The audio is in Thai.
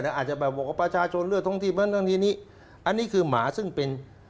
อาจจะแบบบอกว่าประชาชนเลือกท้องที่นั้นท้องที่นี้อันนี้คือหมาซึ่งเป็น